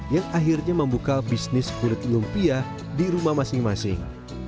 yang akhirnya membuka bisnis kulit lumpia di rumah masing masing